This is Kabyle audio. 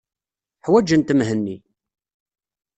Ḥwajent Mhenni.